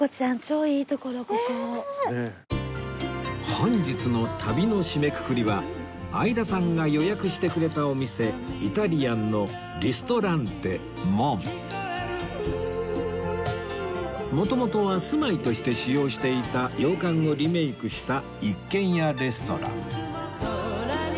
本日の旅の締めくくりは相田さんが予約してくれたお店イタリアンの元々は住まいとして使用していた洋館をリメイクした一軒家レストラン